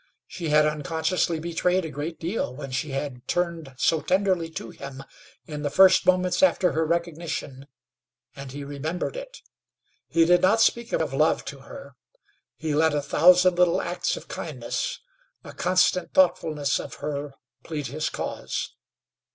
She had unconsciously betrayed a great deal when she had turned so tenderly to him in the first moments after her recognition, and he remembered it. He did not speak of love to her; he let a thousand little acts of kindness, a constant thoughtfulness of her plead his cause.